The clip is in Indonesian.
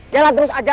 jalan terus aja